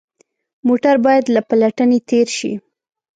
موټر باید له پلټنې تېر شي.